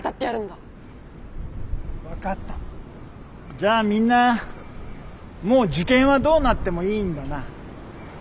じゃあみんなもう受験はどうなってもいいんだな。